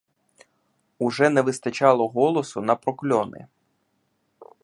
Уже не вистачало голосу на прокльони.